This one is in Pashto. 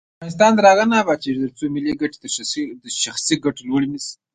افغانستان تر هغو نه ابادیږي، ترڅو ملي ګټې تر شخصي ګټو لوړې نشي.